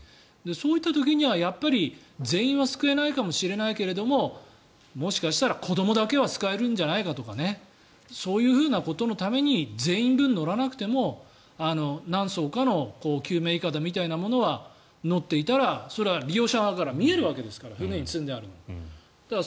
そういった時にはやっぱり全員は救えないかもしれないけどもしかしたら子どもだけは救えるんじゃないかとかそういうことのために全員分、載らなくても何艘かの救命いかだみたいなものは載っていたらそれは利用者側から見えるわけですから船に積んであるのが。